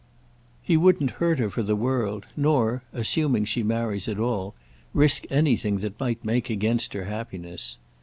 "He wouldn't hurt her for the world, nor—assuming she marries at all—risk anything that might make against her happiness.